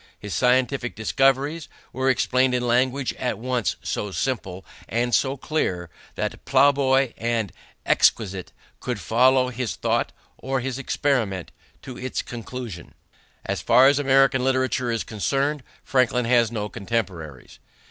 His scientific discoveries were explained in language at once so simple and so clear that plow boy and exquisite could follow his thought or his experiment to its conclusion." The Many Sided Franklin. Paul L. Ford. As far as American literature is concerned, Franklin has no contemporaries.